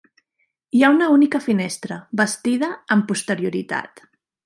Hi ha una única finestra, bastida amb posterioritat.